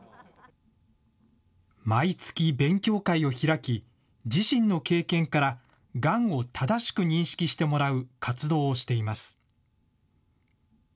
毎月、勉強会を開き、自身の経験から、がんを正しく認識してもらう活動をしています。